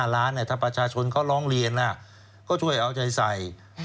๕ล้านถ้าประชาชนเขาร้องเรียนก็ช่วยเอาใจใส่